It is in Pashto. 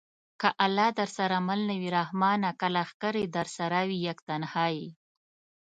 چې الله درسره مل نه وي رحمانه! که لښکرې درسره وي یک تنها یې